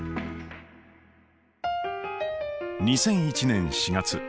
２００１年４月。